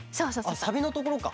あっサビのところか。